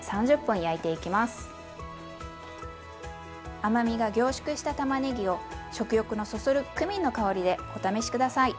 甘みが凝縮したたまねぎを食欲のそそるクミンの香りでお試し下さい！